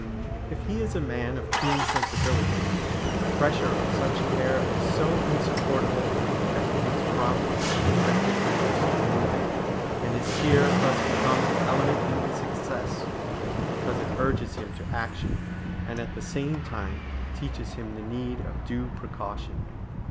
If he is a man of keen sensibilities, the pressure of such care is so insupportable that he takes prompt and effective measures to remove it; and his fear thus becomes an element in his success, because it urges him to action, and at the same time teaches him the need of due precaution.